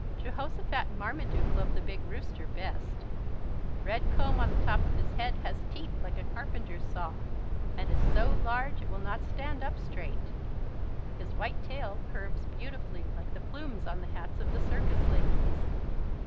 Jehosophat and Marmaduke love the big rooster best. The red comb on the top of his head has teeth like a carpenter's saw, and is so large it will not stand up straight. His white tail curves beautifully like the plumes on the hats of the circus ladies.